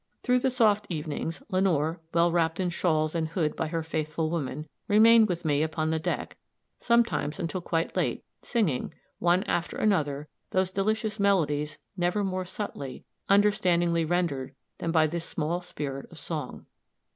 Through the soft evenings, Lenore, well wrapped in shawls and hood by her faithful woman, remained with me upon deck, sometimes until quite late, singing, one after another, those delicious melodies never more subtly, understandingly rendered, than by this small spirit of song.